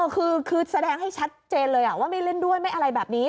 คือแสดงให้ชัดเจนเลยว่าไม่เล่นด้วยไม่อะไรแบบนี้